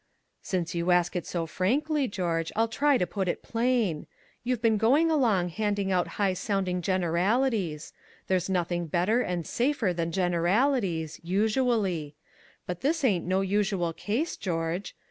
"Since you ask it so frankly, George, I'll try to put it plain: You been going along handing out high sounding generalities. There's nothing better and safer than generalities usually. But this ain't no usual case, George.